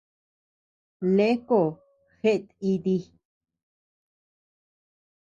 Leeko jeʼet iti.